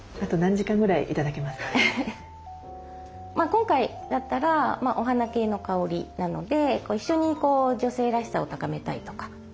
今回だったらお花系の香りなので一緒に女性らしさを高めたいとか。